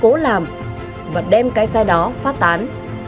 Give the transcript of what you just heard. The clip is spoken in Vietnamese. cố làm và đem cái sai đó phát tán